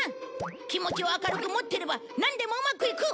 気持ちを明るく持ってればなんでもうまくいく！